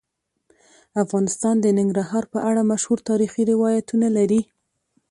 افغانستان د ننګرهار په اړه مشهور تاریخی روایتونه لري.